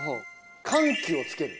緩急をつける。